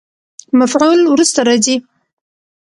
مفعول وروسته راځي.